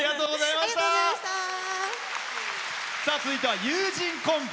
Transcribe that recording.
続いては友人コンビ。